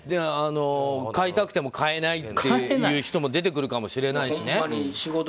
買いたくても買えないという人も出てくるかもしれないしね。